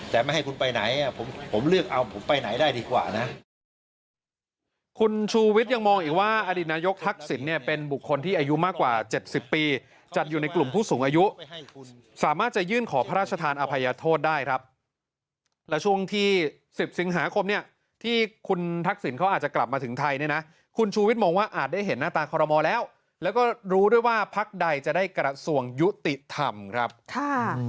แต่ไม่ให้คุณไปไหนผมเลือกเอาผมไปไหนได้ดีกว่านะ